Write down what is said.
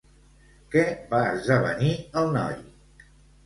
Què va esdevenir el noi?